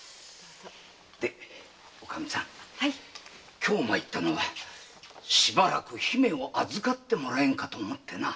今日参ったのはしばらく姫を預かってもらえぬかと思うてな。